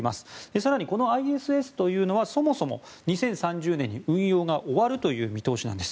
更にこのＩＳＳというのはそもそも２０３０年に運用が終わるという見通しなんです。